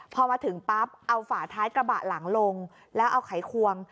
พอมาถึงปั๊บเอาฝาท้ายกระบะหลังลงแล้วเอาไขควง